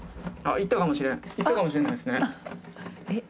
いったかもしれないですね。